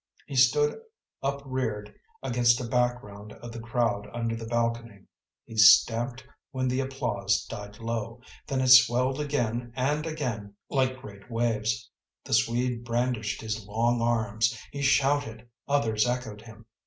He stood upreared against a background of the crowd under the balcony; he stamped when the applause died low; then it swelled again and again like great waves. The Swede brandished his long arms, he shouted, others echoed him.